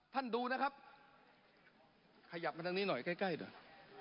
ท่านดูนะครับขยับมาตรงนี้หน่อยใกล้เดี๋ยว